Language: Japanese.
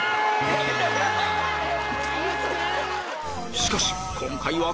しかし今回は